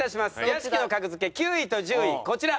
屋敷の格付け９位と１０位こちら。